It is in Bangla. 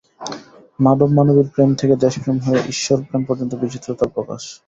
মানব-মানবীর প্রেম থেকে দেশপ্রেম হয়ে ঈশ্বর প্রেম পর্যন্ত বিচিত্র তার প্রকাশ।